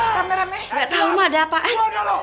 nggak tau mak ada apaan